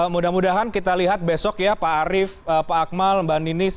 mudah mudahan kita lihat besok ya pak arief pak akmal mbak ninis